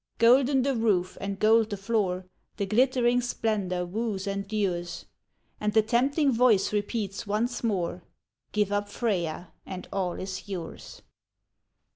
THE PRICE OF FREY& 77 Golden the roof and gold the floor ; The glittering splendor woos and lures ; And the tempting voice repeats once more : "Give up Freya, and all is yours."